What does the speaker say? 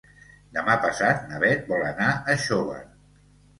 Demà passat na Bet vol anar a Xóvar.